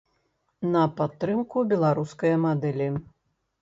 На падтрымку беларускае мадэлі.